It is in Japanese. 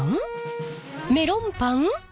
メロンパン？